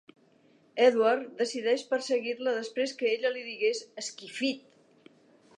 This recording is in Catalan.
Edward decideix perseguir-la després que ella li digués "esquifit".